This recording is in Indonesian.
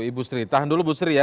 ibu sri tahan dulu bu sri ya